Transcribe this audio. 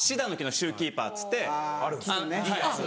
シューキーパーって。